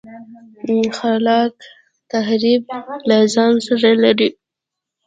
خلاق تخریب له ځان سره لري.